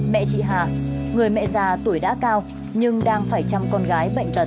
mẹ chị hà người mẹ già tuổi đã cao nhưng đang phải chăm con gái bệnh tật